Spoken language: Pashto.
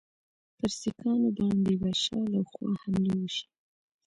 پر سیکهانو باندي به شا له خوا حمله وشي.